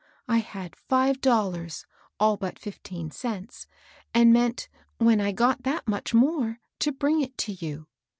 I had five dollars, all but fifteen cents, and meant, when I got that much more, to bring it to you.